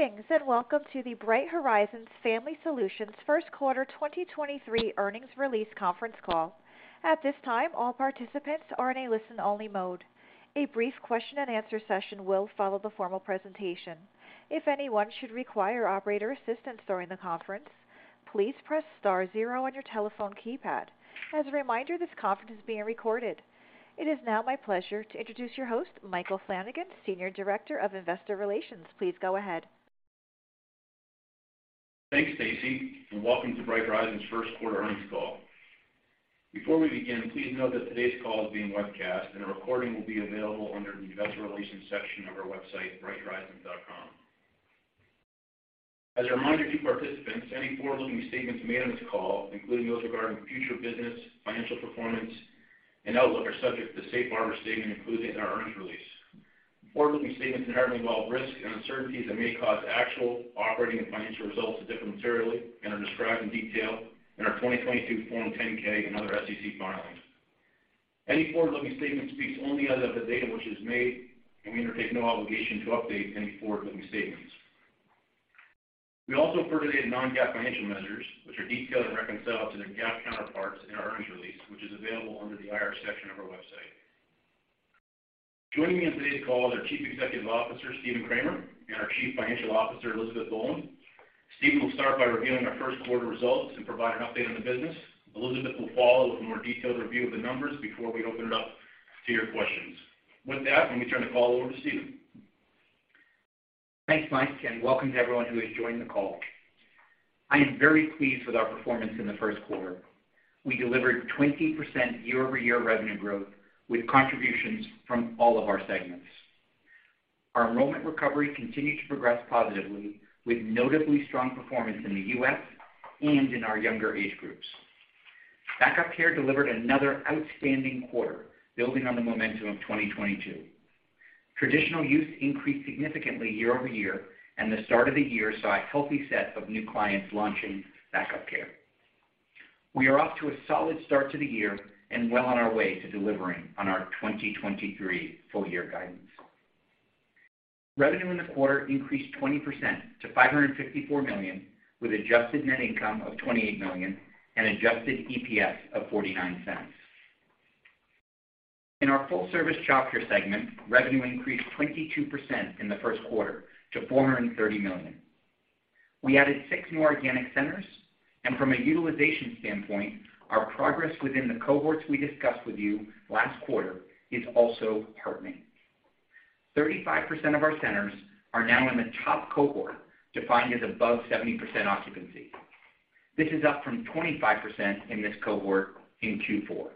Greetings, welcome to the Bright Horizons Family Solutions first quarter 2023 earnings release conference call. At this time, all participants are in a listen-only mode. A brief question and answer session will follow the formal presentation. If anyone should require operator assistance during the conference, please press star zero on your telephone keypad. As a reminder, this conference is being recorded. It is now my pleasure to introduce your host, Michael Flanagan, Senior Director of Investor Relations. Please go ahead. Thanks, Stacy, and welcome to Bright Horizons first quarter earnings call. Before we begin, please note that today's call is being webcast, and a recording will be available under the Investor Relations section of our website, brighthorizons.com. As a reminder to participants, any forward-looking statements made on this call, including those regarding future business, financial performance, and outlook, are subject to the safe harbor statement included in our earnings release. Forward-looking statements inherently involve risks and uncertainties that may cause actual operating and financial results to differ materially and are described in detail in our 2022 Form 10-K and other SEC filings. Any forward-looking statement speaks only as of the date on which it is made, and we undertake no obligation to update any forward-looking statements. We also refer to the non-GAAP financial measures, which are detailed and reconciled to their GAAP counterparts in our earnings release, which is available under the IR section of our website. Joining me on today's call are Chief Executive Officer, Stephen Kramer, and our Chief Financial Officer, Elizabeth Boland. Stephen will start by reviewing our first quarter results and provide an update on the business. Elizabeth will follow with a more detailed review of the numbers before we open it up to your questions. With that, let me turn the call over to Stephen. Thanks, Mike. Welcome to everyone who has joined the call. I am very pleased with our performance in the first quarter. I delivered 20% year-over-year revenue growth with contributions from all of our segments. Our enrollment recovery continued to progress positively with notably strong performance in the U.S. and in our younger age groups. Back-Up Care delivered another outstanding quarter, building on the momentum of 2022. Traditional use increased significantly year-over-year, and the start of the year saw a healthy set of new clients launching Back-Up Care. We are off to a solid start to the year and well on our way to delivering on our 2023 full-year guidance. Revenue in the quarter increased 20% to $554 million, with adjusted net income of $28 million and Adjusted EPS of $0.49. In our full-service childcare segment, revenue increased 22% in the first quarter to $430 million. We added six more organic centers. From a utilization standpoint, our progress within the cohorts we discussed with you last quarter is also heartening. 35% of our centers are now in the top cohort, defined as above 70% occupancy. This is up from 25% in this cohort in Q4.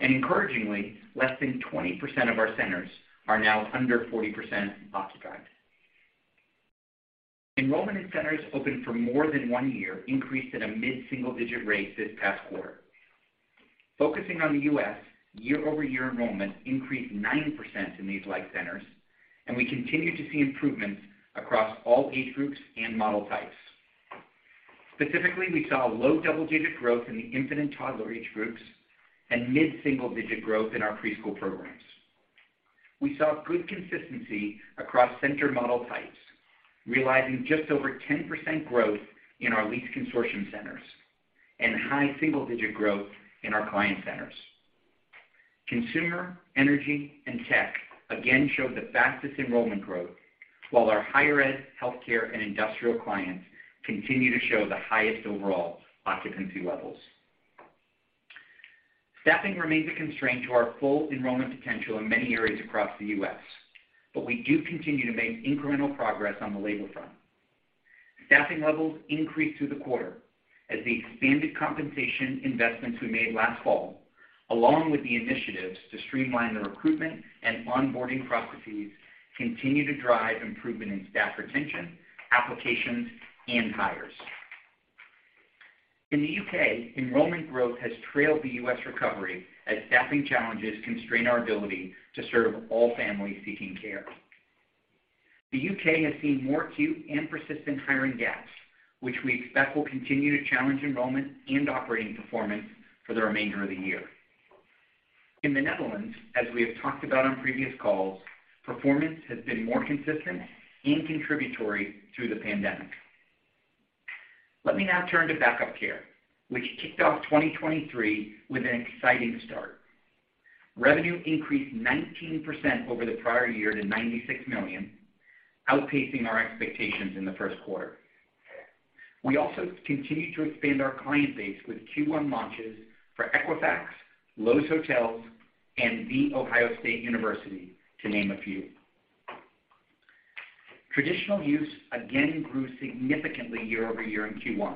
Encouragingly, less than 20% of our centers are now under 40% occupied. Enrollment in centers open for more than one year increased at a mid-single-digit rate this past quarter. Focusing on the U.S., year-over-year enrollment increased 9% in these like centers, and we continue to see improvements across all age groups and model types. Specifically, we saw low double-digit growth in the infant and toddler age groups and mid-single-digit growth in our preschool programs. We saw good consistency across center model types, realizing just over 10% growth in our leased consortium centers and high single-digit growth in our client centers. Consumer, energy, and tech again showed the fastest enrollment growth, while our higher ed, healthcare, and industrial clients continue to show the highest overall occupancy levels. Staffing remains a constraint to our full enrollment potential in many areas across the U.S., but we do continue to make incremental progress on the labor front. Staffing levels increased through the quarter as the expanded compensation investments we made last fall, along with the initiatives to streamline the recruitment and onboarding processes, continue to drive improvement in staff retention, applications, and hires. In the U.K., enrollment growth has trailed the U.S. recovery as staffing challenges constrain our ability to serve all families seeking care. The U.K. has seen more acute and persistent hiring gaps, which we expect will continue to challenge enrollment and operating performance for the remainder of the year. In the Netherlands, as we have talked about on previous calls, performance has been more consistent and contributory through the pandemic. Let me now turn to Back-Up Care, which kicked off 2023 with an exciting start. Revenue increased 19% over the prior year to $96 million, outpacing our expectations in the first quarter. We also continued to expand our client base with Q1 launches for Equifax, Loews Hotels, and The Ohio State University, to name a few. Traditional use again grew significantly year-over-year in Q1.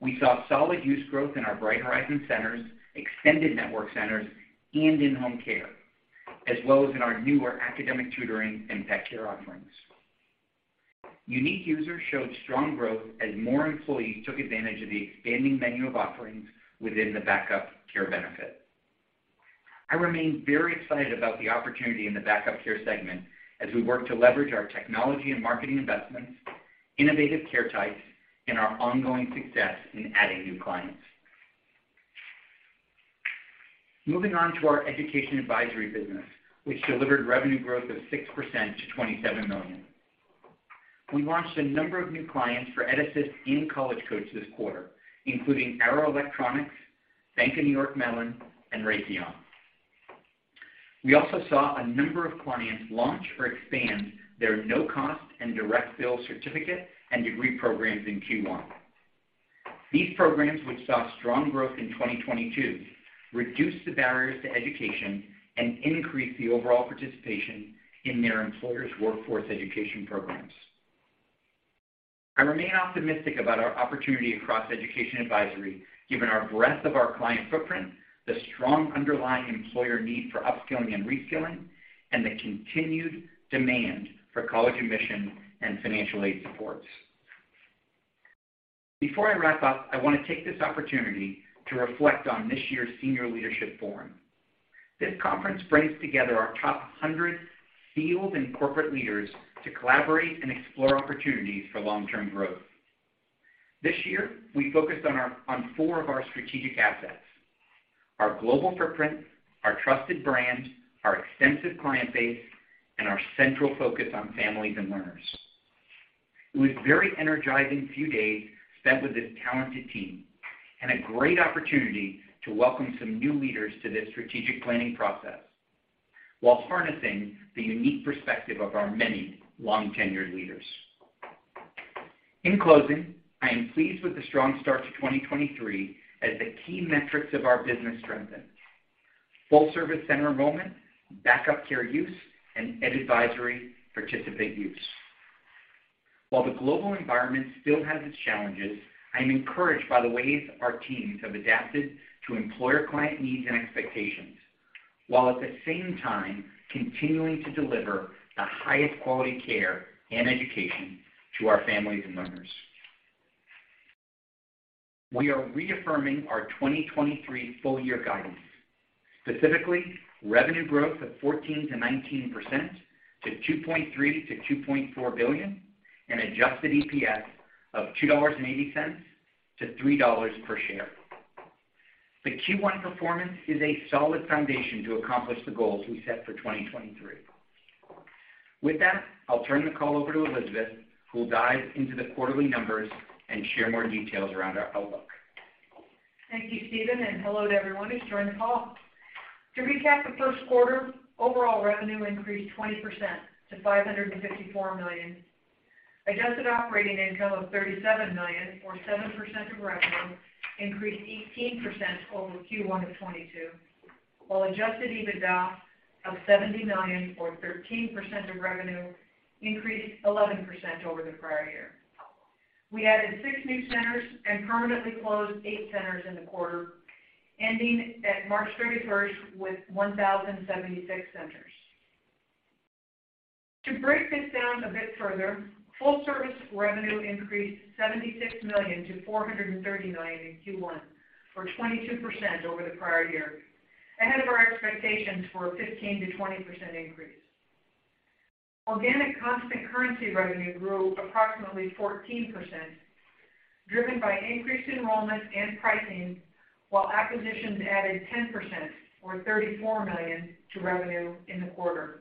We saw solid use growth in our Bright Horizons centers, extended network centers, and in home care, as well as in our newer academic tutoring and pet care offerings. Unique users showed strong growth as more employees took advantage of the expanding menu of offerings within the Back-Up Care benefit. I remain very excited about the opportunity in the Back-Up Care segment as we work to leverage our technology and marketing investments, innovative care types, and our ongoing success in adding new clients. Moving on to our education advisory business, which delivered revenue growth of 6% to $27 million. We launched a number of new clients for EdAssist and College Coach this quarter, including Arrow Electronics, Bank of New York Mellon, and Raytheon. We also saw a number of clients launch or expand their no-cost and direct bill certificate and degree programs in Q1. These programs, which saw strong growth in 2022, reduced the barriers to education and increased the overall participation in their employer's workforce education programs. I remain optimistic about our opportunity across education advisory, given our breadth of our client footprint, the strong underlying employer need for upskilling and reskilling, and the continued demand for college admission and financial aid supports. Before I wrap up, I want to take this opportunity to reflect on this year's Senior Leadership Forum. This conference brings together our top 100 field and corporate leaders to collaborate and explore opportunities for long-term growth. This year, we focused on four of our strategic assets: our global footprint, our trusted brand, our extensive client base, and our central focus on families and learners. It was a very energizing few days spent with this talented team and a great opportunity to welcome some new leaders to this strategic planning process while harnessing the unique perspective of our many long-tenured leaders. In closing, I am pleased with the strong start to 2023 as the key metrics of our business strengthen. Full service center enrollment, Back-Up Care use, and EdAssist participate use. While the global environment still has its challenges, I am encouraged by the ways our teams have adapted to employer client needs and expectations, while at the same time continuing to deliver the highest quality care and education to our families and learners. We are reaffirming our 2023 full year guidance, specifically revenue growth of 14%-19% to $2.3 billion-$2.4 billion, and Adjusted EPS of $2.80-$3.00 per share. The Q1 performance is a solid foundation to accomplish the goals we set for 2023. With that, I'll turn the call over to Elizabeth, who will dive into the quarterly numbers and share more details around our outlook. Thank you, Stephen, hello to everyone who's joined the call. To recap the first quarter, overall revenue increased 20% to $554 million. Adjusted operating income of $37 million or 7% of revenue increased 18% over Q1 of 2022, while Adjusted EBITDA of $70 million or 13% of revenue increased 11% over the prior year. We added six new centers and permanently closed eight centers in the quarter, ending at March 31st with 1,076 centers. To break this down a bit further, full service revenue increased $76 million to $430 million in Q1, or 22% over the prior year, ahead of our expectations for a 15%-20% increase. Organic constant currency revenue grew approximately 14%, driven by increased enrollment and pricing, while acquisitions added 10% or $34 million to revenue in the quarter.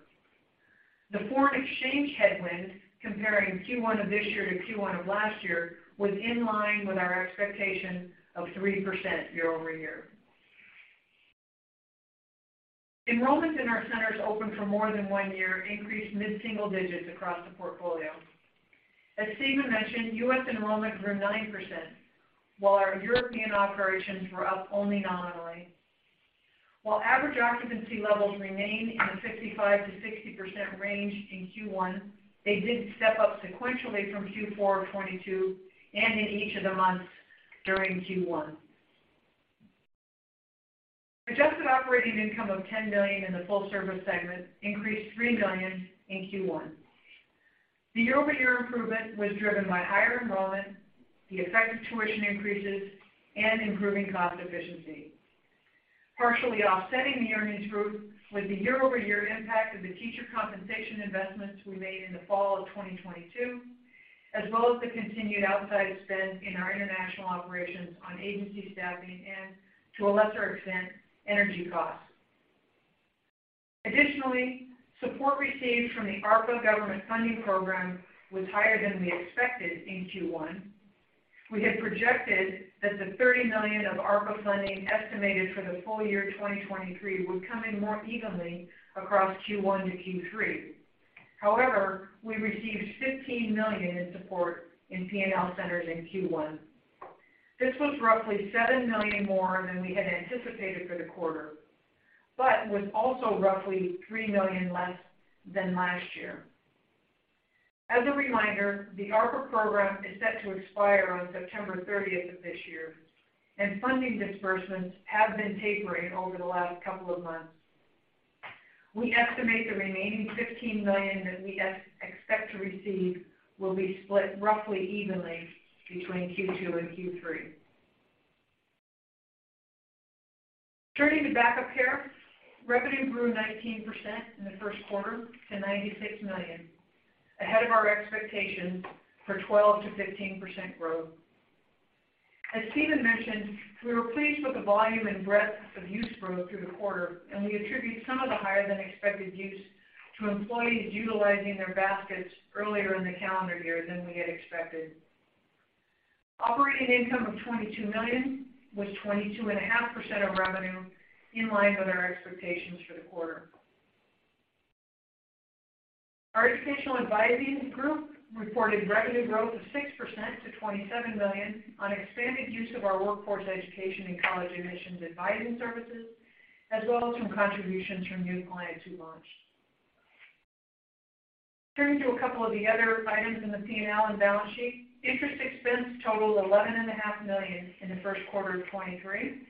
The foreign exchange headwind comparing Q1 of this year to Q1 of last year was in line with our expectation of 3% year-over-year. Enrollment in our centers open for more than one year increased mid-single digits across the portfolio. As Stephen mentioned, U.S. enrollment grew 9%, while our European operations were up only nominally. While average occupancy levels remain in the 65%-60% range in Q1, they did step up sequentially from Q4 of 2022 and in each of the months during Q1. Adjusted operating income of $10 million in the full service segment increased $3 million in Q1. The year-over-year improvement was driven by higher enrollment, the effect of tuition increases, and improving cost efficiency. Partially offsetting the earnings growth was the year-over-year impact of the teacher compensation investments we made in the fall of 2022, as well as the continued outside spend in our international operations on agency staffing and, to a lesser extent, energy costs. Support received from the ARPA government funding program was higher than we expected in Q1. We had projected that the $30 million of ARPA funding estimated for the full year 2023 would come in more evenly across Q1-Q3. We received $15 million in support in P&L centers in Q1. This was roughly $7 million more than we had anticipated for the quarter, but was also roughly $3 million less than last year. As a reminder, the ARPA program is set to expire on September 30th of this year, and funding disbursements have been tapering over the last couple of months. We estimate the remaining $15 million that we expect to receive will be split roughly evenly between Q2 and Q3. Turning to Back-Up Care revenue grew 19% in the first quarter to $96 million, ahead of our expectations for 12%-15% growth. As Stephen Kramer mentioned, we were pleased with the volume and breadth of use growth through the quarter, we attribute some of the higher than expected use to employees utilizing their baskets earlier in the calendar year than we had expected. Operating income of $22 million was 22.5% of revenue in line with our expectations for the quarter. Our educational advising group reported revenue growth of 6% to $27 million on expanded use of our workforce education and college admissions advising services, as well as from contributions from new clients who launched. Turning to a couple of the other items in the P&L and balance sheet. Interest expense totaled $11.5 million in the first quarter of 2023,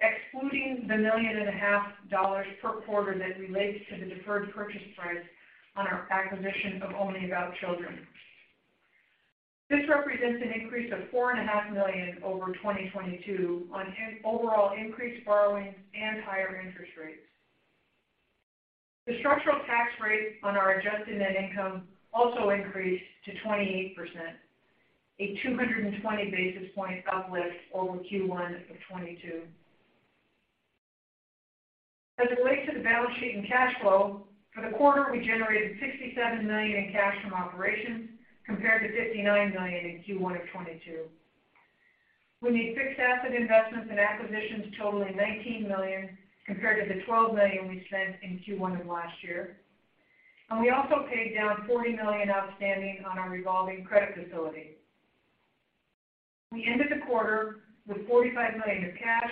excluding the million and a half dollars per quarter that relates to the deferred purchase price on our acquisition of Only About Children. This represents an increase of $4.5 million over 2022 on an overall increased borrowing and higher interest rates. The structural tax rate on our adjusted net income also increased to 28%, a 220 basis point uplift over Q1 of 2022. As it relates to the balance sheet and cash flow, for the quarter, we generated $67 million in cash from operations compared to $59 million in Q1 of 2022. We made fixed asset investments and acquisitions totaling $19 million compared to the $12 million we spent in Q1 of last year. We also paid down $40 million outstanding on our revolving credit facility. We ended the quarter with $45 million in cash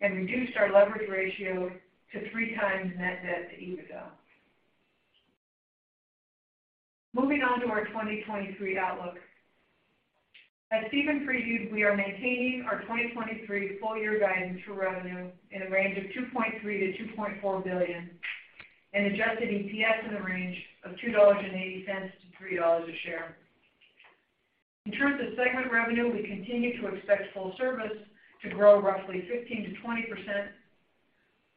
and reduced our leverage ratio to 3x net debt to EBITDA. Moving on to our 2023 outlook. As Stephen previewed, we are maintaining our 2023 full-year guidance for revenue in a range of $2.3 billion-$2.4 billion and Adjusted EPS in the range of $2.80-$3.00 a share. In terms of segment revenue, we continue to expect full service to grow roughly 15%-20%,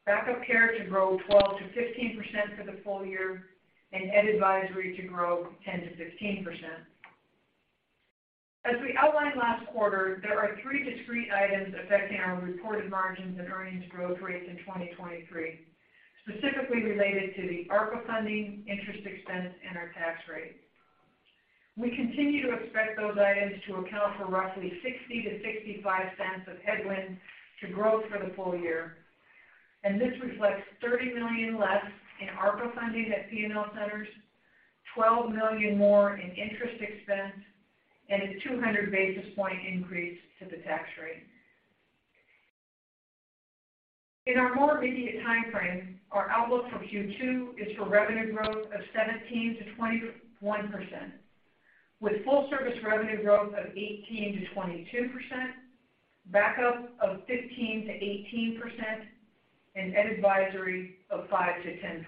Back-Up Care to grow 12%-15% for the full year, and ed advisory to grow 10%-15%. As we outlined last quarter, there are three discrete items affecting our reported margins and earnings growth rates in 2023, specifically related to the ARPA funding, interest expense, and our tax rate. We continue to expect those items to account for roughly $0.60-$0.65 of headwind to growth for the full year, this reflects $30 million less in ARPA funding at P&L Centers, $12 million more in interest expense, and a 200 basis point increase to the tax rate. In our more immediate time frame, our outlook for Q2 is for revenue growth of 17%-21%, with full service revenue growth of 18%-22%, Back-Up of 15%-18%, and Ed Advisory of 5%-10%.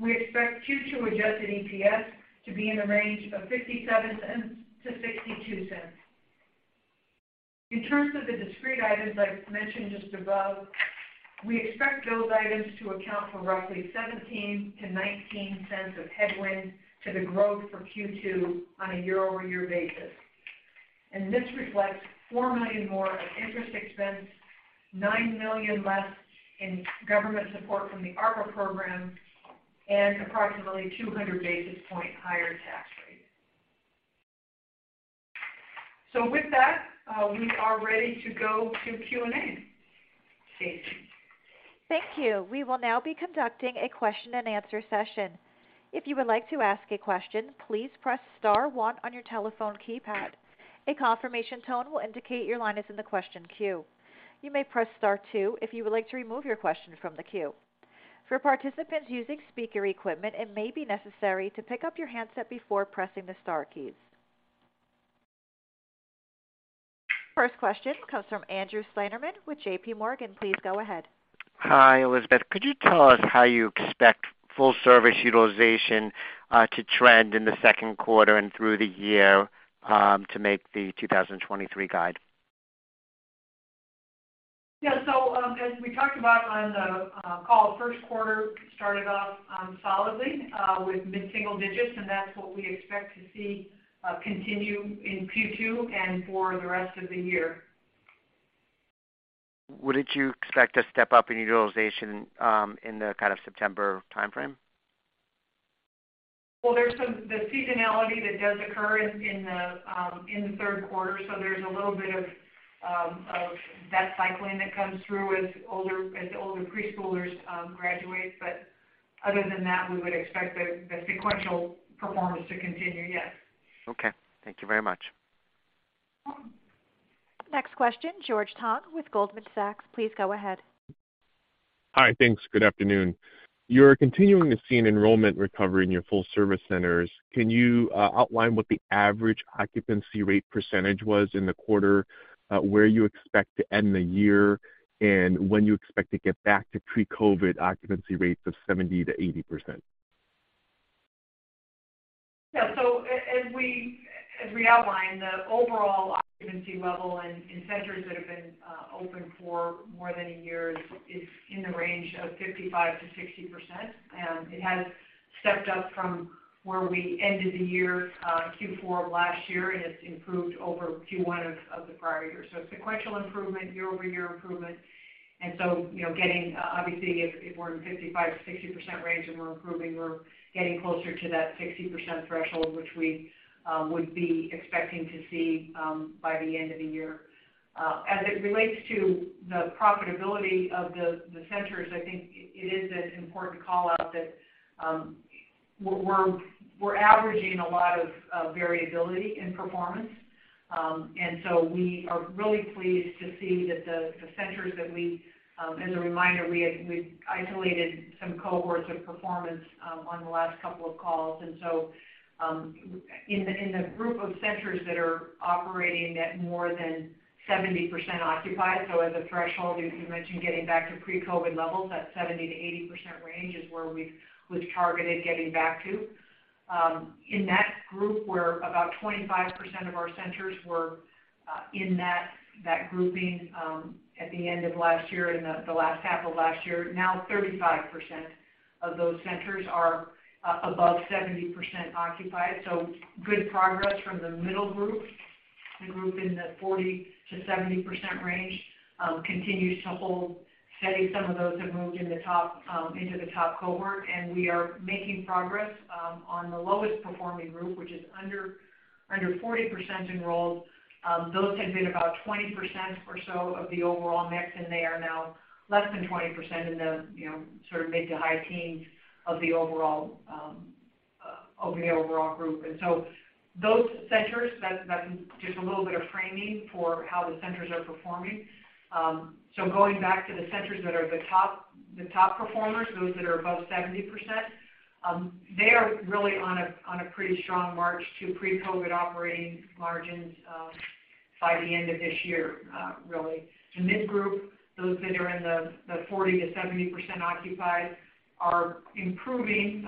We expect Q2 Adjusted EPS to be in the range of $0.57-$0.62. In terms of the discrete items I mentioned just above, we expect those items to account for roughly $0.17-$0.19 of headwind to the growth for Q2 on a year-over-year basis. This reflects $4 million more of interest expense, $9 million less in government support from the ARPA program, and approximately 200 basis point higher tax rate. With that, we are ready to go to Q&A. Stacy. Thank you. We will now be conducting a question and answer session. If you would like to ask a question, please press star one on your telephone keypad. A confirmation tone will indicate your line is in the question queue. You may press Star two if you would like to remove your question from the queue. For participants using speaker equipment, it may be necessary to pick up your handset before pressing the star keys. First question comes from Andrew Steinerman with JPMorgan. Please go ahead. Hi, Elizabeth. Could you tell us how you expect full service utilization to trend in the second quarter and through the year to make the 2023 guide? Yeah. As we talked about on the call, first quarter started off solidly with mid-single digits, and that's what we expect to see continue in Q2 and for the rest of the year. Wouldn't you expect a step up in utilization, in the kind of September timeframe? There's the seasonality that does occur in the third quarter, so there's a little bit of that cycling that comes through as older preschoolers, graduate. Other than that, we would expect the sequential performance to continue, yes. Okay. Thank you very much. Next question, George Tong with Goldman Sachs. Please go ahead. Hi. Thanks. Good afternoon. You're continuing to see an enrollment recovery in your full service centers. Can you outline what the average occupancy rate percentage was in the quarter, where you expect to end the year, and when you expect to get back to pre-COVID occupancy rates of 70%-80%? As we outlined, the overall occupancy level in centers that have been open for more than a year is in the range of 55%-60%. It has stepped up from where we ended the year, Q4 of last year, and it's improved over Q1 of the prior year. Sequential improvement, year-over-year improvement. You know, getting obviously if we're in 55%-60% range and we're improving, we're getting closer to that 60% threshold, which we would be expecting to see by the end of the year. As it relates to the profitability of the centers, I think it is an important call-out that we're averaging a lot of variability in performance. We are really pleased to see that the centers that we, as a reminder, we've isolated some cohorts of performance on the last couple of calls. In the group of centers that are operating at more than 70% occupied, as a threshold, as you mentioned, getting back to pre-COVID levels, that 70%-80% range is where we've targeted getting back to. In that group, where about 25% of our centers were in that grouping at the end of last year, in the last half of last year. 35% of those centers are above 70% occupied. Good progress from the middle group. The group in the 40%-70% range continues to hold steady. Some of those have moved in the top, into the top cohort. We are making progress on the lowest performing group, which is under 40% enrolled. Those had been about 20% or so of the overall mix, and they are now less than 20% in the, you know, sort of mid to high teens of the overall, of the overall group. Those centers, that's just a little bit of framing for how the centers are performing. Going back to the top performers, those that are above 70%, they are really on a pretty strong march to pre-COVID operating margins by the end of this year, really. The mid group, those that are in the 40%-70% occupied are improving.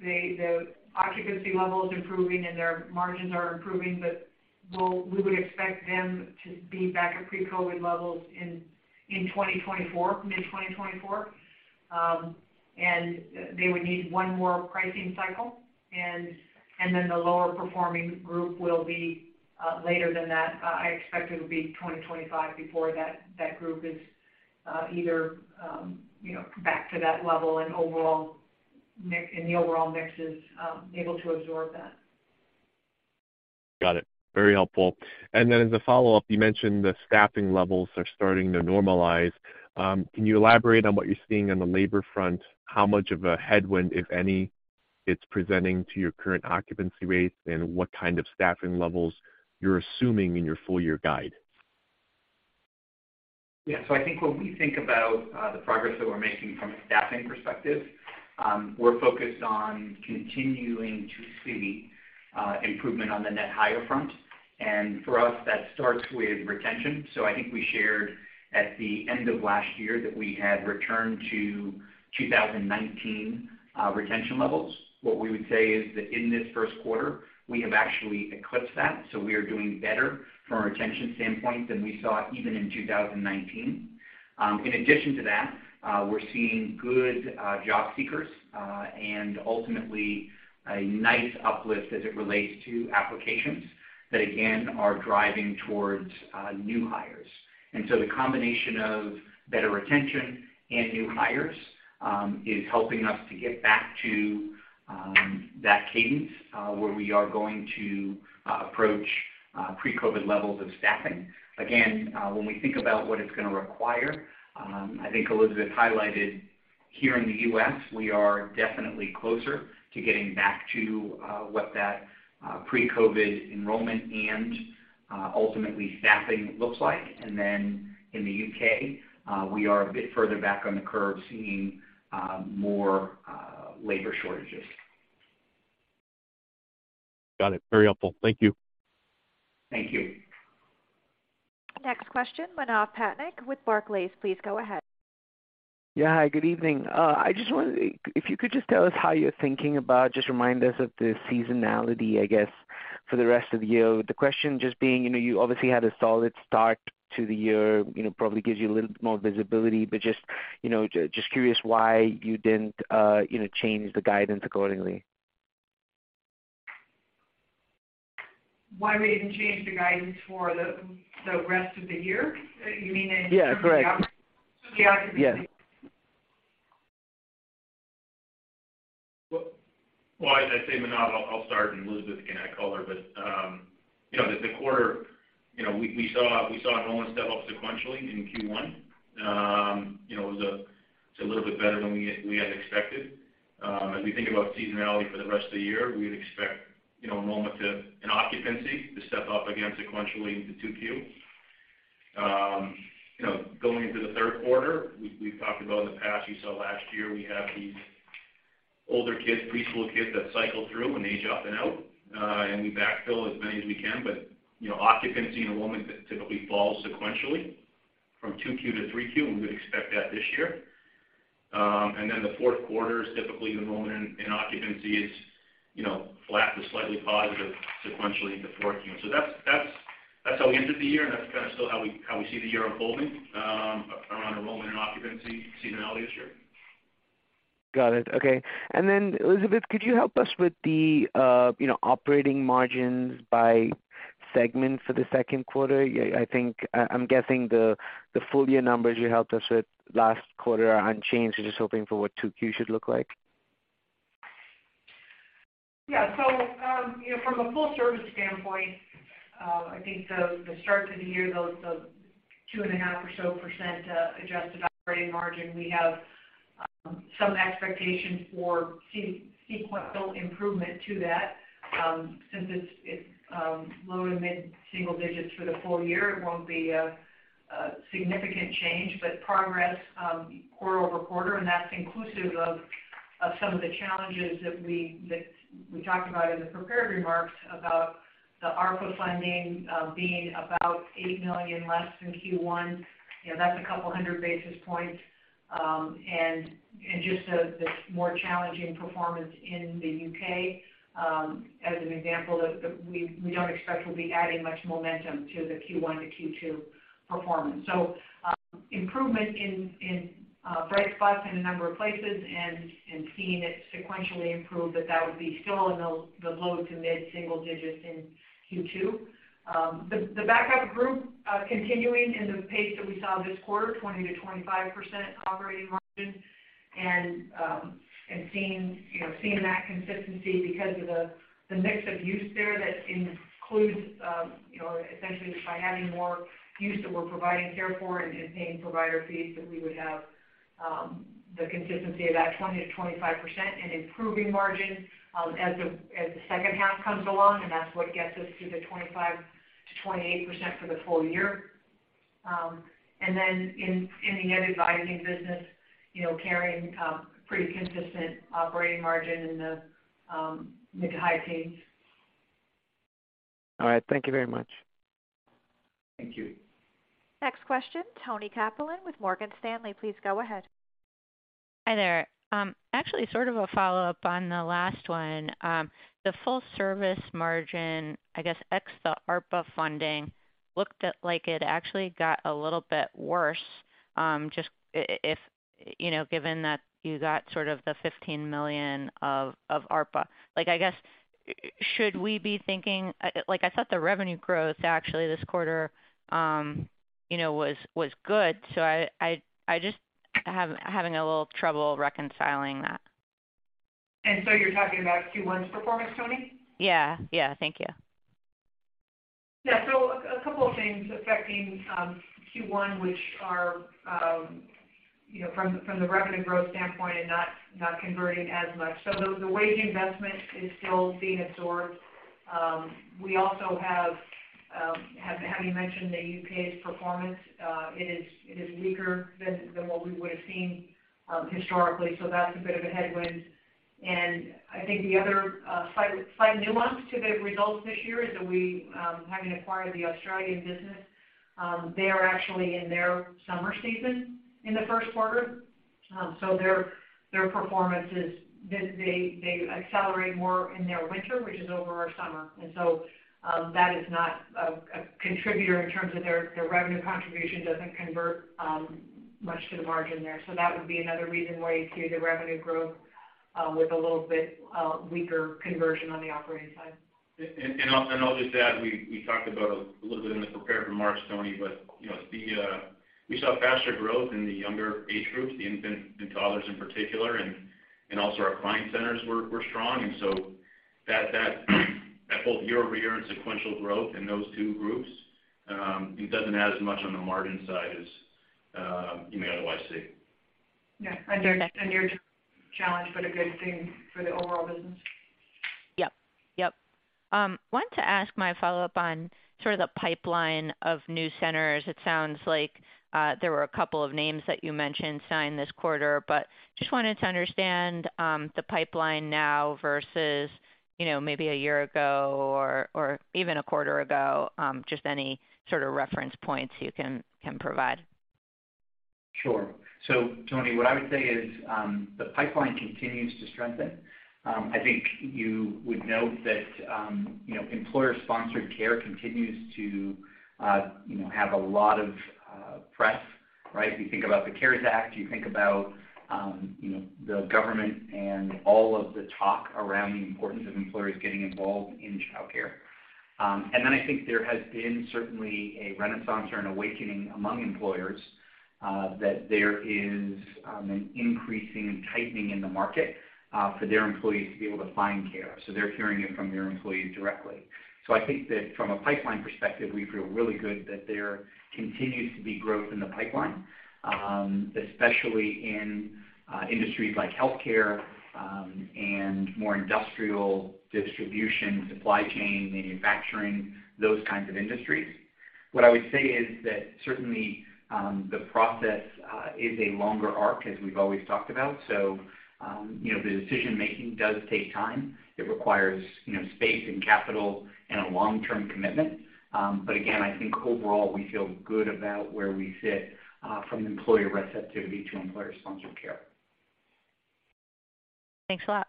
The occupancy level is improving and their margins are improving, but we would expect them to be back at pre-COVID levels in 2024, mid-2024. They would need 1 more pricing cycle. Then the lower performing group will be later than that. I expect it'll be 2025 before that group is either, you know, back to that level and overall mix, and the overall mix is able to absorb that. Got it. Very helpful. As a follow-up, you mentioned the staffing levels are starting to normalize. Can you elaborate on what you're seeing on the labor front? How much of a headwind, if any, it's presenting to your current occupancy rates, and what kind of staffing levels you're assuming in your full year guide? Yeah. I think when we think about the progress that we're making from a staffing perspective, we're focused on continuing to see improvement on the net hire front. For us, that starts with retention. I think we shared at the end of last year that we had returned to 2019 retention levels. What we would say is that in this first quarter, we have actually eclipsed that. We are doing better from a retention standpoint than we saw even in 2019. In addition to that, we're seeing good job seekers and ultimately a nice uplift as it relates to applications that, again, are driving towards new hires. The combination of better retention and new hires is helping us to get back to that cadence where we are going to approach pre-COVID levels of staffing. Again, when we think about what it's gonna require, I think Elizabeth highlighted here in the U.S., we are definitely closer to getting back to what that pre-COVID enrollment and ultimately staffing looks like. In the U.K., we are a bit further back on the curve, seeing more labor shortages. Got it. Very helpful. Thank you. Thank you. Next question, Manav Patnaik with Barclays. Please go ahead. Yeah. Hi, good evening. If you could just tell us how you're thinking about, just remind us of the seasonality, I guess, for the rest of the year. The question just being, you know, you obviously had a solid start to the year, you know, probably gives you a little bit more visibility, but just, you know, just curious why you didn't, you know, change the guidance accordingly? Why we didn't change the guidance for the rest of the year? you mean in terms of the Yeah. Correct. The occupancy? Yes. Well, as I say, Manav, I'll start and Elizabeth can add color. You know, the quarter, you know, we saw enrollment step up sequentially in Q1. You know, it was a little bit better than we had expected. As we think about seasonality for the rest of the year, we'd expect, you know, enrollment and occupancy to step up again sequentially into 2Q. You know, going into the third quarter, we've talked about in the past, you saw last year, we have these older kids, preschool kids that cycle through and age up and out, and we backfill as many as we can. You know, occupancy and enrollment typically falls sequentially from 2Q to 3Q, and we would expect that this year. The fourth quarter is typically the moment in occupancy is, you know, flat to slightly positive sequentially in the fourth quarter. That's how we entered the year, and that's kind of still how we see the year unfolding around enrollment and occupancy seasonality this year. Got it. Okay. Then, Elizabeth, could you help us with the, you know, operating margins by segment for the second quarter? I'm guessing the full year numbers you helped us with last quarter are unchanged. We're just hoping for what 2Q should look like. you know, from a full service standpoint, I think the start to the year, the 2.5% or so adjusted operating margin, we have some expectation for sequential improvement to that. Since it's low to mid-single digits for the full year, it won't be a significant change, but progress quarter-over-quarter, and that's inclusive of some of the challenges that we talked about in the prepared remarks about the ARPA funding being about $8 million less than Q1. You know, that's 200 basis points. And just the more challenging performance in the U.K., as an example that we don't expect will be adding much momentum to the Q1-Q2 performance. Improvement in bright spots in a number of places and seeing it sequentially improve, but that would be still in the low to mid-single digits in Q2. The Back-Up Group continuing in the pace that we saw this quarter, 20%-25% operating margin. Seeing, you know, seeing that consistency because of the mix of use there that includes, you know, essentially just by having more use that we're providing care for and paying provider fees that we would have, the consistency of that 20%-25% and improving margin, as the second half comes along, and that's what gets us to the 25%-28% for the full year. In the ed advising business, you know, carrying, pretty consistent operating margin in the mid-to-high teens. Thank you very much. Thank you. Next question, Toni Kaplan with Morgan Stanley. Please go ahead. Hi there. Actually sort of a follow-up on the last one. The full service margin, I guess, ex the ARPA funding looked at like it actually got a little bit worse, just if, you know, given that you got sort of the $15 million of ARPA. Like, I guess, should we be thinking? Like, I thought the revenue growth actually this quarter, you know, was good. I just having a little trouble reconciling that. You're talking about Q1's performance, Toni? Yeah. Yeah. Thank you. A couple of things affecting Q1, which are from the revenue growth standpoint and not converting as much. The wage investment is still being absorbed. We also have having mentioned the U.K.'s performance, it is weaker than what we would've seen historically. That's a bit of a headwind. I think the other slight nuance to the results this year is that we having acquired the Australian business, they are actually in their summer season in the first quarter. Their performance is they accelerate more in their winter, which is over our summer. That is not a contributor in terms of their revenue contribution doesn't convert much to the margin there. That would be another reason why you see the revenue growth, with a little bit, weaker conversion on the operating side. I'll just add, we talked about a little bit in the prepared remarks, Toni, but, you know, the, we saw faster growth in the younger age groups, the infant and toddlers in particular, and also our client centers were strong. That both year-over-year and sequential growth in those two groups, it doesn't add as much on the margin side as you may otherwise see. Yeah. Okay. They're a challenge, but a good thing for the overall business. Yep. Yep. Wanted to ask my follow-up on sort of the pipeline of new centers. It sounds like there were a couple of names that you mentioned signed this quarter, but just wanted to understand the pipeline now versus, you know, maybe a year ago or even a quarter ago. Just any sort of reference points you can provide. Sure. Toni, what I would say is, the pipeline continues to strengthen. I think you would note that, you know, employer-sponsored child care continues to, you know, have a lot of press, right? If you think about the CARES Act, you think about, you know, the government and all of the talk around the importance of employers getting involved in child care. I think there has been certainly a renaissance or an awakening among employers, that there is an increasing tightening in the market, for their employees to be able to find care. They're hearing it from their employees directly. I think that from a pipeline perspective, we feel really good that there continues to be growth in the pipeline, especially in industries like healthcare, and more industrial distribution, supply chain, manufacturing, those kinds of industries. What I would say is that certainly, the process is a longer arc as we've always talked about. you know, the decision-making does take time. It requires, you know, space and capital and a long-term commitment. But again, I think overall we feel good about where we sit from employer receptivity to employer-sponsored care. Thanks a lot.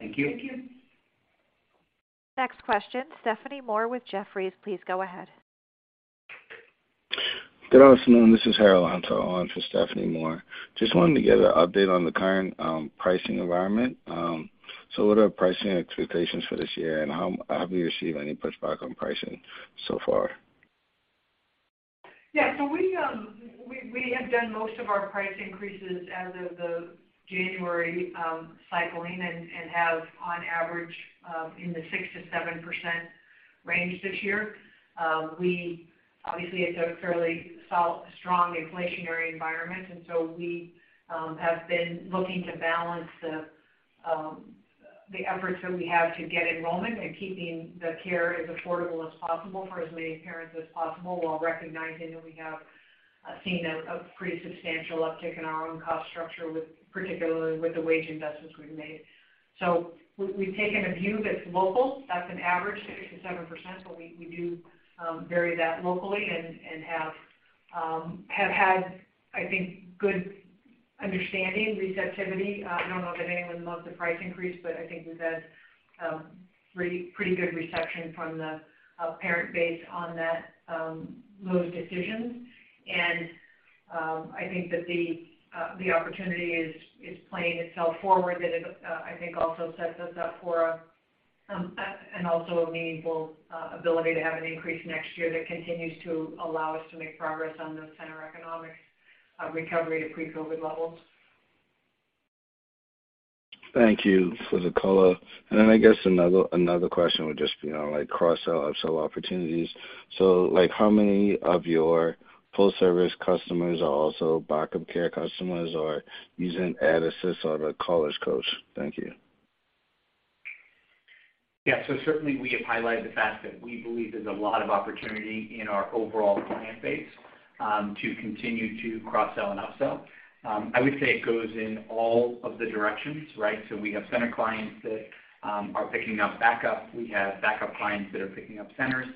Thank you. Next question, Stephanie Moore with Jefferies. Please go ahead. Good afternoon, this is Harold Antor on for Stephanie Moore. Just wanted to get an update on the current pricing environment. What are pricing expectations for this year, and have you received any pushback on pricing so far? We have done most of our price increases as of the January cycling and have on average in the 6%-7% range this year. Obviously, it's a fairly strong inflationary environment. We have been looking to balance the efforts that we have to get enrollment and keeping the care as affordable as possible for as many parents as possible, while recognizing that we have seen a pretty substantial uptick in our own cost structure with, particularly with the wage investments we've made. We've taken a view that's local, that's an average 6%-7%, but we do vary that locally and have had, I think, good understanding, receptivity. I don't know that anyone loves the price increase, but I think we've had pretty good reception from the parent base on that, those decisions. I think that the opportunity is playing itself forward, and it I think also sets us up for and also a meaningful ability to have an increase next year that continues to allow us to make progress on those center economics recovery to pre-COVID levels. Thank you for the color. I guess another question would just be on, like, cross-sell, upsell opportunities. Like, how many of your full service customers are also Back-Up Care customers or using EdAssist or the College Coach? Thank you. Yeah. Certainly we have highlighted the fact that we believe there's a lot of opportunity in our overall client base to continue to cross-sell and upsell. I would say it goes in all of the directions, right? We have center clients that are picking up Back-Up. We have Back-Up clients that are picking up centers.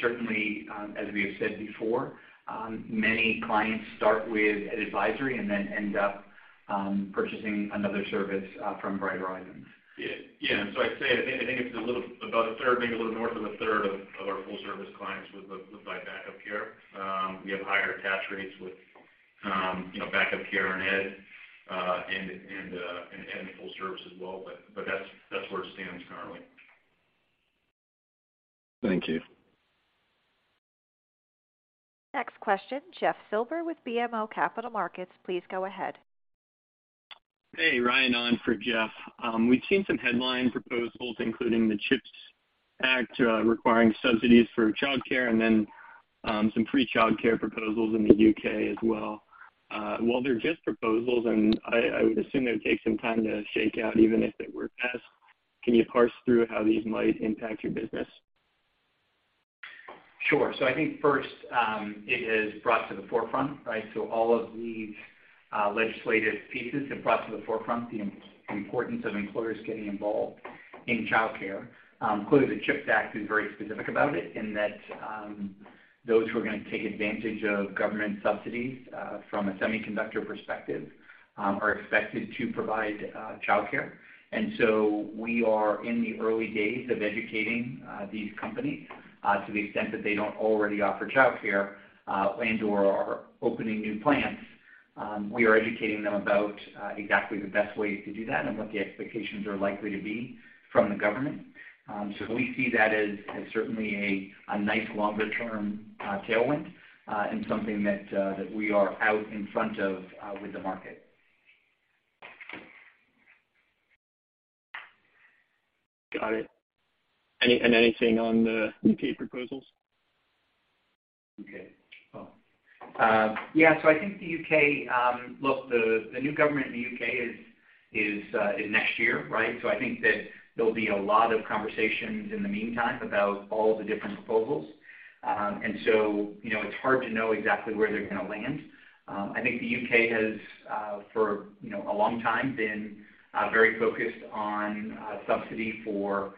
Certainly, as we have said before, many clients start with an advisory and then end up purchasing another service from Bright Horizons. Yeah. Yeah. I'd say I think it's a little above a third, maybe a little north of a third of our full service clients would look to buy Back-Up Care. We have higher attach rates with, you know, Back-Up Care and Ed and the full service as well. That's where it stands currently. Thank you. Next question, Jeff Silber with BMO Capital Markets. Please go ahead. Hey, Ryan on for Jeff. We've seen some headline proposals including the CHIPS Act requiring subsidies for childcare and then, some free childcare proposals in the U.K. as well. While they're just proposals and I would assume it would take some time to shake out even if they were passed, can you parse through how these might impact your business? Sure. I think first, it has brought to the forefront, right? All of these legislative pieces have brought to the forefront the importance of employers getting involved in childcare. Clearly the CHIPS Act is very specific about it in that, those who are gonna take advantage of government subsidies from a semiconductor perspective, are expected to provide childcare. We are in the early days of educating these companies to the extent that they don't already offer childcare and/or are opening new plants. We are educating them about exactly the best ways to do that and what the expectations are likely to be from the government. We see that as certainly a nice longer term tailwind and something that we are out in front of with the market. Got it. Anything on the U.K. proposals? U.K. Well, yeah. I think the U.K. Look, the new government in the U.K. is next year, right? I think that there'll be a lot of conversations in the meantime about all the different proposals. You know, it's hard to know exactly where they're gonna land. I think the U.K. has, for, you know, a long time been very focused on subsidy for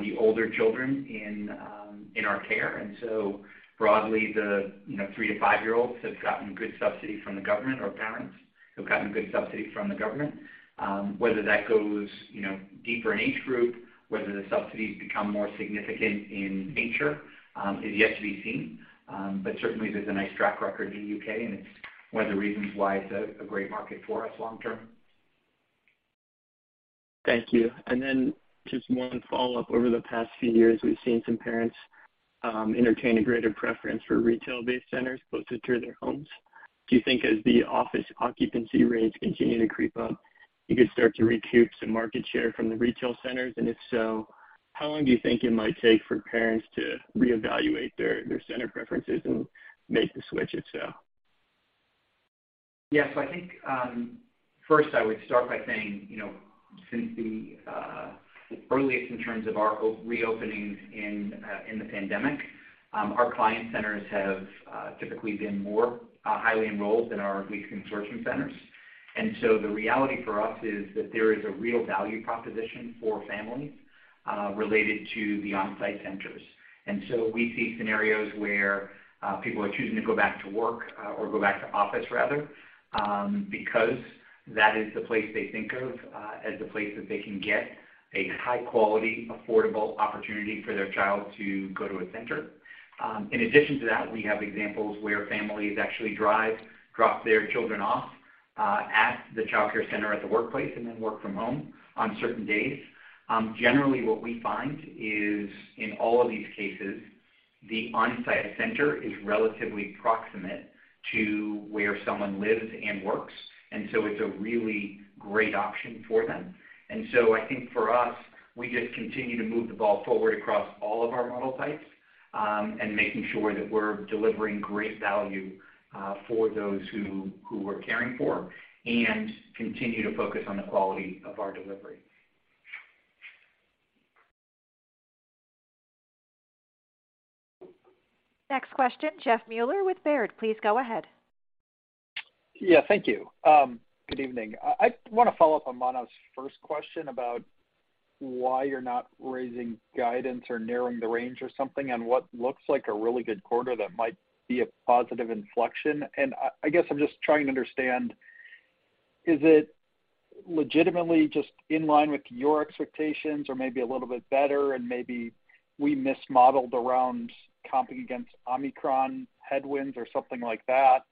the older children in our care. Broadly, the, you know, three to five year olds have gotten good subsidy from the government or parents, who've gotten good subsidy from the government. Whether that goes, you know, deeper in age group, whether the subsidies become more significant in nature, is yet to be seen. Certainly there's a nice track record in the U.K., and it's one of the reasons why it's a great market for us long term. Thank you. Just one follow-up. Over the past few years, we've seen some parents, entertain a greater preference for retail-based centers closer to their homes. Do you think as the office occupancy rates continue to creep up, you could start to recoup some market share from the retail centers? If so, how long do you think it might take for parents to reevaluate their center preferences and make the switch if so? Yeah. I think, first I would start by saying, you know, since the earliest in terms of our reopenings in the pandemic, our client centers have typically been more highly enrolled than our lease consortium centers. The reality for us is that there is a real value proposition for families related to the on-site centers. We see scenarios where people are choosing to go back to work or go back to office rather, because that is the place they think of as the place that they can get a high-quality, affordable opportunity for their child to go to a center. In addition to that, we have examples where families actually drive, drop their children off at the child care center at the workplace, and then work from home on certain days. Generally what we find is in all of these cases, the on-site center is relatively proximate to where someone lives and works, and so it's a really great option for them. I think for us, we just continue to move the ball forward across all of our model types, and making sure that we're delivering great value, for those who we're caring for and continue to focus on the quality of our delivery. Next question, Jeff Meuler with Baird. Please go ahead. Yeah, thank you. Good evening. I wanna follow up on Manav's first question about why you're not raising guidance or narrowing the range or something on what looks like a really good quarter that might be a positive inflection. I guess I'm just trying to understand, is it legitimately just in line with your expectations or maybe a little bit better, and maybe we mismodeled around comping against Omicron headwinds or something like that?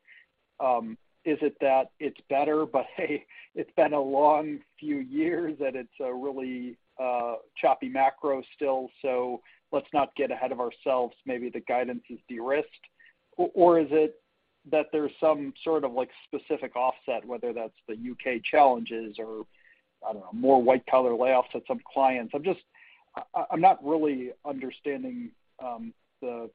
Is it that it's better, but hey, it's been a long few years and it's a really choppy macro still, so let's not get ahead of ourselves, maybe the guidance is de-risked? Is it that there's some sort of, like, specific offset, whether that's the U.K. challenges or, I don't know, more white-collar layoffs at some clients? I'm just. I'm not really understanding the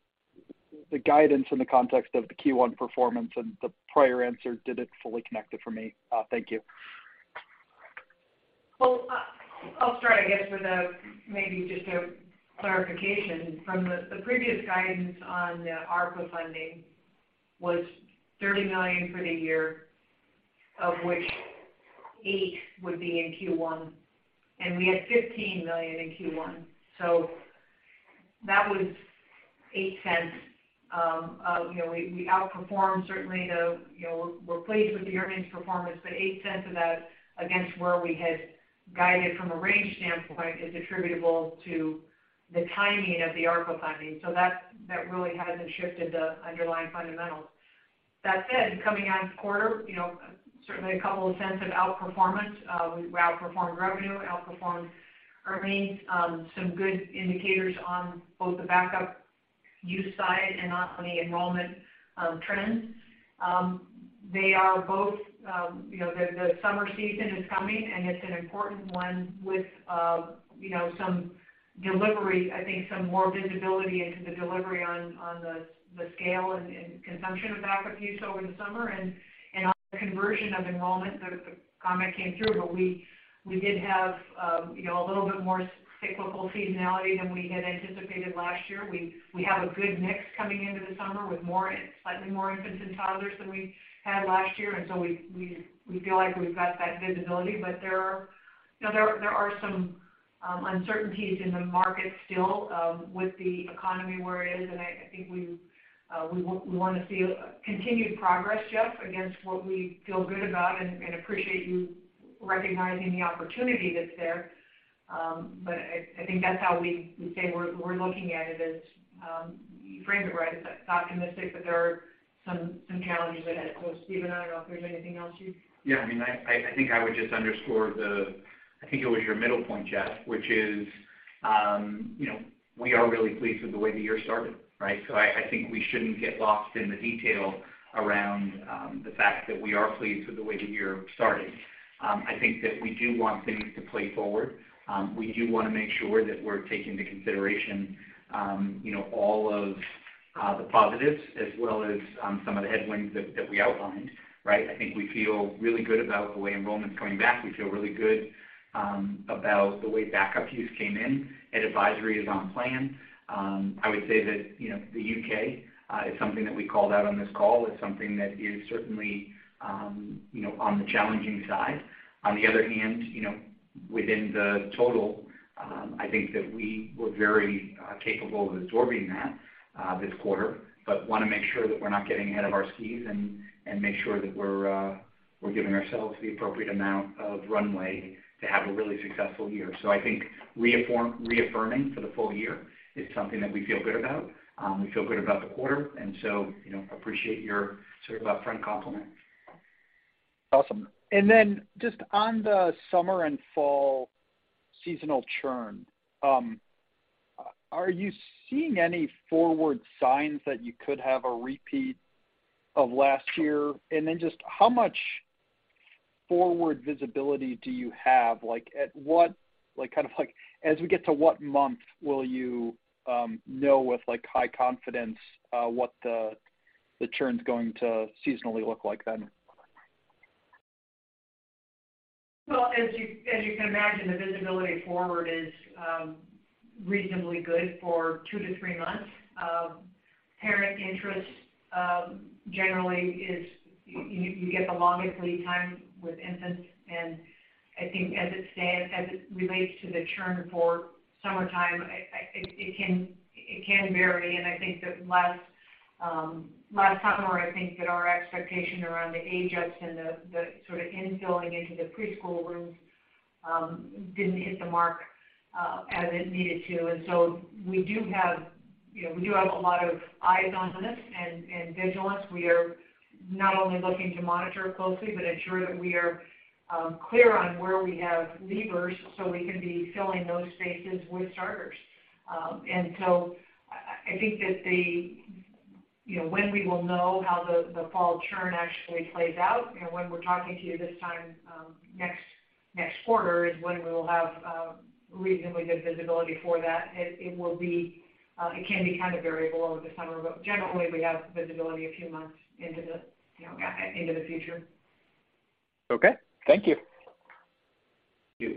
guidance in the context of the Q1 performance, and the prior answer didn't fully connect it for me. Thank you. Well, I'll start, I guess, with a maybe just a clarification. The previous guidance on the ARPA funding was $30 million for the year, of which $8 million would be in Q1, and we had $15 million in Q1. That was $0.08. You know, we outperformed certainly the, you know, we're pleased with the earnings performance, but $0.08 of that against where we had guided from a range standpoint is attributable to the timing of the ARPA funding. That really hasn't shifted the underlying fundamentals. That said, coming on quarter, you know, certainly a couple of cents of outperformance. We outperformed revenue, outperformed earnings. Some good indicators on both the backup use side and on the enrollment trends. They are both, you know... The summer season is coming, and it's an important one with, you know, some delivery, I think some more visibility into the delivery on the scale and consumption of Back-Up Care over the summer. On the conversion of enrollment, the comment came through, but we did have, you know, a little bit more cyclical seasonality than we had anticipated last year. We have a good mix coming into the summer with slightly more infants and toddlers than we had last year, and so we feel like we've got that visibility. There are... You know, there are some uncertainties in the market still, with the economy where it is, and I think we wanna see continued progress, Jeff, against what we feel good about, and appreciate you recognizing the opportunity that's there. I think that's how we say we're looking at it as. You framed it right. It's optimistic, but there are some challenges ahead. Stephen, I don't know if there's anything else you'd. I mean, I think I would just underscore the, I think it was your middle point, Jeff, which is, you know, we are really pleased with the way the year started, right? I think we shouldn't get lost in the detail around the fact that we are pleased with the way the year started. I think that we do want things to play forward. We do wanna make sure that we're taking into consideration, you know, all of the positives as well as some of the headwinds that we outlined, right? I think we feel really good about the way enrollment's coming back. We feel really good about the way Back-Up Care use came in, and advisory is on plan. I would say that, you know, the U.K. is something that we called out on this call. It's something that is certainly, you know, on the challenging side. On the other hand, you know, within the total, I think that we were very capable of absorbing that this quarter. Wanna make sure that we're not getting ahead of our skis and make sure that we're giving ourselves the appropriate amount of runway to have a really successful year. I think reaffirming for the full year is something that we feel good about. We feel good about the quarter. You know, appreciate your sort of upfront compliment. Awesome. Just on the summer and fall seasonal churn, are you seeing any forward signs that you could have a repeat of last year? Just how much forward visibility do you have? As we get to what month will you know with high confidence what the churn's going to seasonally look like then? Well, as you can imagine, the visibility forward is reasonably good for 2 to 3 months. Parent interest generally is you get the longest lead time with infants. I think as it stands, as it relates to the churn for summertime, it can vary. I think that last summer, I think that our expectation around the age ups and the sort of infilling into the preschool rooms didn't hit the mark as it needed to. We do have, you know, we do have a lot of eyes on this and vigilance. We are not only looking to monitor closely, but ensure that we are clear on where we have leavers so we can be filling those spaces with starters. I think that the You know, when we will know how the fall churn actually plays out, you know, when we're talking to you this time, next quarter is when we will have a reasonably good visibility for that. It will be, it can be kind of variable over the summer, but generally, we have visibility a few months into the, you know, into the future. Okay, thank you.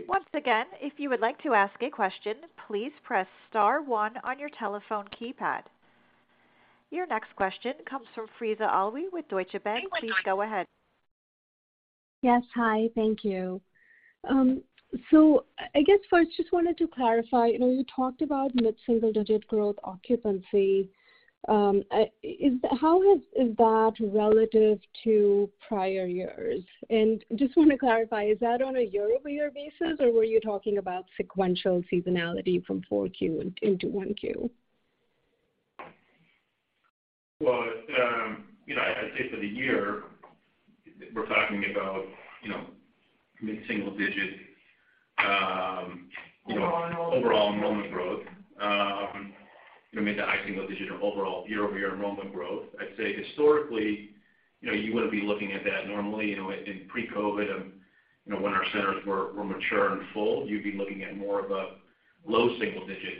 Once again, if you would like to ask a question, please press star one on your telephone keypad. Your next question comes from Faiza Alwy with Deutsche Bank. Please go ahead. Yes. Hi, thank you. I guess first just wanted to clarify, you know, you talked about mid-single-digit growth occupancy. How is that relative to prior years? Just want to clarify, is that on a year-over-year basis, or were you talking about sequential seasonality from 4Q into 1Q? Well, you know, I'd say for the year, we're talking about, you know, mid-single digit. Overall enrollment.... overall enrollment growth, you know, mid- to high single-digit or overall year-over-year enrollment growth. I'd say historically, you know, you wouldn't be looking at that normally, you know, in pre-COVID, you know, when our centers were mature and full, you'd be looking at more of a low single-digit,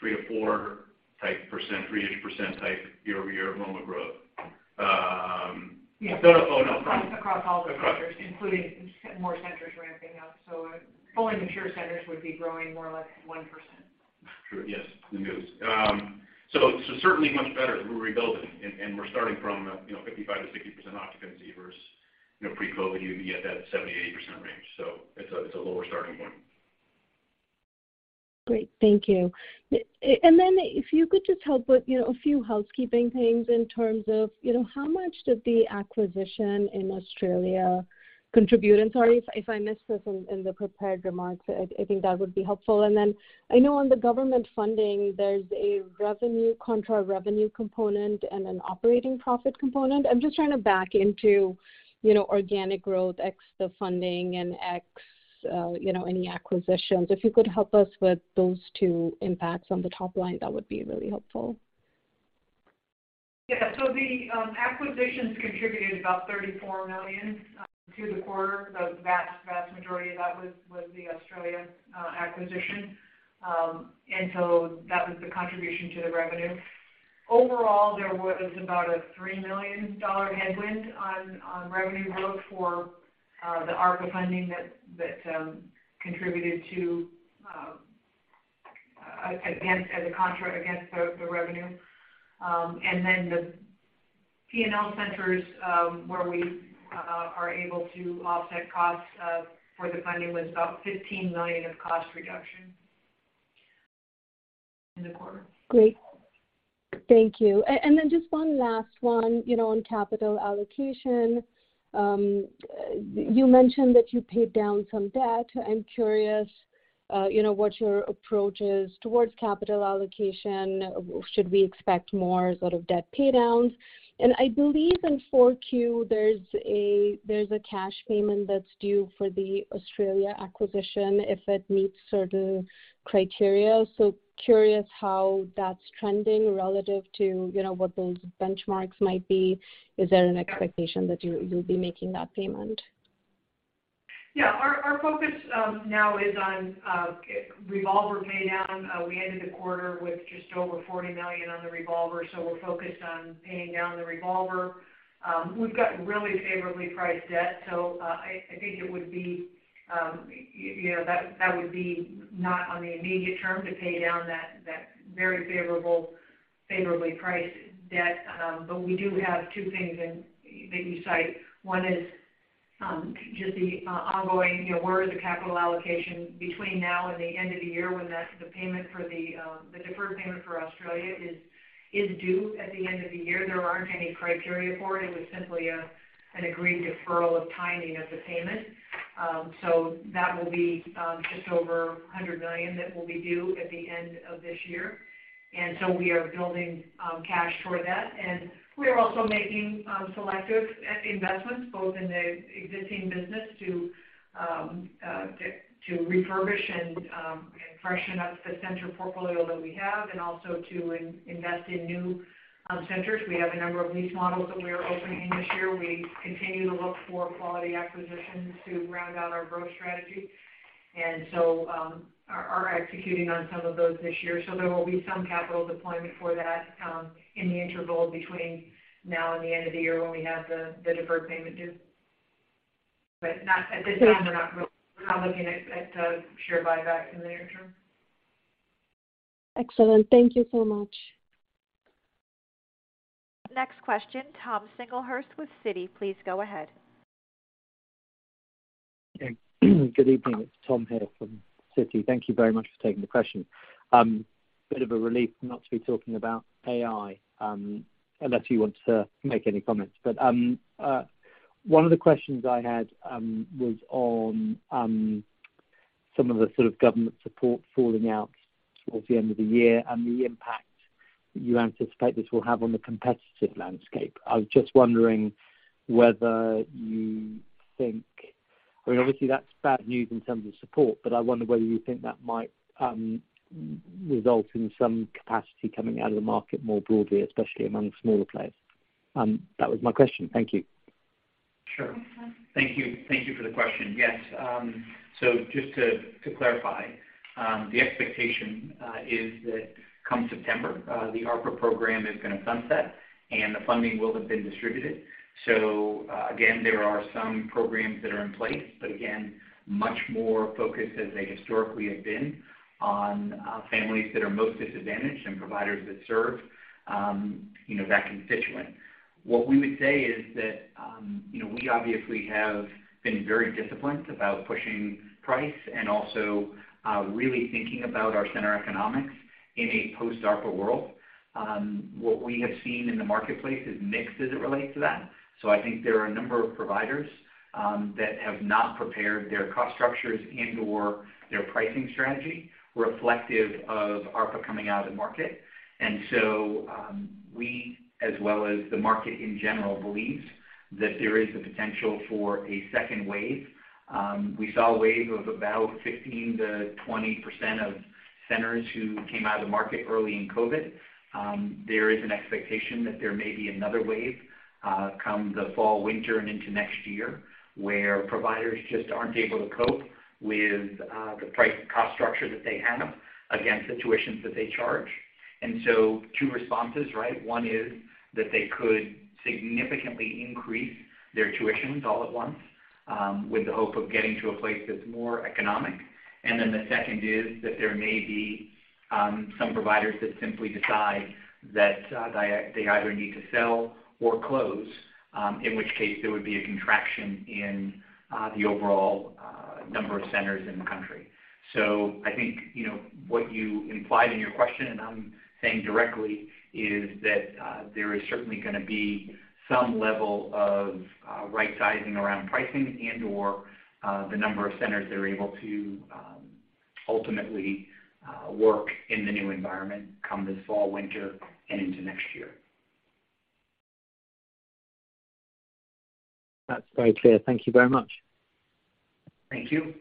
3%-4% type, 3%-ish type year-over-year enrollment growth. No. Across all the centers, including more centers ramping up. So fully mature centers would be growing more or less 1%. Sure. Yes. so certainly much better as we're rebuilding and we're starting from, you know, 55%-60% occupancy versus, you know, pre-COVID, you'd be at that 70%-80% range. It's a lower starting point. Great. Thank you. Then if you could just help with, you know, a few housekeeping things in terms of, you know, how much did the acquisition in Australia contribute? Sorry if I missed this in the prepared remarks. I think that would be helpful. Then I know on the government funding, there's a revenue contra revenue component and an operating profit component. I'm just trying to back into, you know, organic growth ex the funding and ex, you know, any acquisitions. If you could help us with those two impacts on the top line, that would be really helpful. Yeah. The acquisitions contributed about $34 million to the quarter. The vast majority of that was the Australia acquisition. That was the contribution to the revenue. Overall, there was about a $3 million headwind on revenue growth for the ARPA funding that contributed to against as a contra against the revenue. The P&L centers where we are able to offset costs for the funding was about $15 million of cost reduction in the quarter. Great. Thank you. And then just one last one, you know, on capital allocation. You mentioned that you paid down some debt. I'm curious, you know, what your approach is towards capital allocation. Should we expect more sort of debt pay downs? I believe in 4Q, there's a cash payment that's due for the Australia acquisition if it meets certain criteria. Curious how that's trending relative to, you know, what those benchmarks might be. Is there an expectation that you'll be making that payment? Our focus now is on revolver pay down. We ended the quarter with just over $40 million on the revolver, so we're focused on paying down the revolver. We've got really favorably priced debt, so I think it would be, you know, that would be not on the immediate term to pay down that very favorable, favorably priced debt. We do have two things in that you cite. One is just the ongoing, you know, where is the capital allocation between now and the end of the year when that's the payment for the deferred payment for Australia is due at the end of the year. There aren't any criteria for it. It was simply an agreed deferral of timing of the payment. That will be just over $100 million that will be due at the end of this year. We are building cash for that. We are also making selective investments both in the existing business to refurbish and freshen up the center portfolio that we have and also to invest in new centers. We have a number of lease models that we are opening this year. We continue to look for quality acquisitions to round out our growth strategy. Are executing on some of those this year. There will be some capital deployment for that, in the interval between now and the end of the year when we have the deferred payment due. At this time, we're not looking at a share buyback in the near term. Excellent. Thank you so much. Next question, Tom Singlehurst with Citi. Please go ahead. Okay. Good evening. It's Tom here from Citi. Thank you very much for taking the question. Bit of a relief not to be talking about AI, unless you want to make any comments. One of the questions I had was on some of the sort of government support falling out towards the end of the year and the impact you anticipate this will have on the competitive landscape. I was just wondering whether you think I mean, obviously, that's bad news in terms of support, but I wonder whether you think that might result in some capacity coming out of the market more broadly, especially among smaller players. That was my question. Thank you. Sure. Thank you. Thank you for the question. Yes. Just to clarify, the expectation is that come September, the ARPA program is gonna sunset, and the funding will have been distributed. Again, there are some programs that are in place, but again, much more focused as they historically have been on families that are most disadvantaged and providers that serve, you know, that constituent. What we would say is that, you know, we obviously have been very disciplined about pushing price and also really thinking about our center economics in a post-ARPA world. What we have seen in the marketplace is mixed as it relates to that. I think there are a number of providers that have not prepared their cost structures and/or their pricing strategy reflective of ARPA coming out of the market. we, as well as the market in general, believes that there is the potential for a second wave. We saw a wave of about 15%-20% of centers who came out of the market early in COVID. There is an expectation that there may be another wave, come the fall, winter and into next year, where providers just aren't able to cope with, the price cost structure that they have against the tuitions that they charge. Two responses, right? One is that they could significantly increase their tuitions all at once, with the hope of getting to a place that's more economic. The second is that there may be, some providers that simply decide that they either need to sell or close, in which case there would be a contraction in, the overall, number of centers in the country. I think, you know, what you implied in your question, and I'm saying directly, is that, there is certainly gonna be some level of, right-sizing around pricing and/or, the number of centers that are able to, ultimately, work in the new environment come this fall, winter and into next year. That's very clear. Thank you very much. Thank you.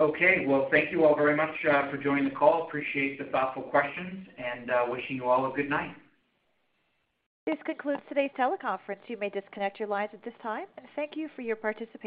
Okay. Well, thank you all very much for joining the call. Appreciate the thoughtful questions, and wishing you all a good night. This concludes today's teleconference. You may disconnect your lines at this time. Thank you for your participation.